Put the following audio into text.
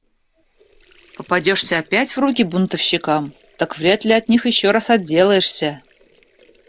Попадешься опять в руки бунтовщикам, так вряд ли от них еще раз отделаешься.